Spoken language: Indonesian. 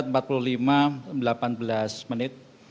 satu derajat empat puluh lima delapan belas menit